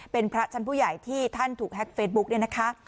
เป็นพระชั้นผู้ใหญ่ที่ท่านถูกแฮ็กเฟซบุ๊กเนี่ยนะคะ